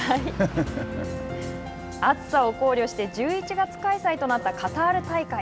暑さを考慮して１１月開催となったカタール大会。